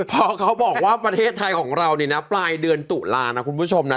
พอเขาบอกว่าประเทศไทยของเรานี่นะปลายเดือนตุลานะคุณผู้ชมนะ